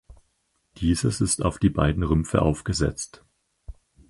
Dieses ist auf die beiden Rümpfe aufgesetzt.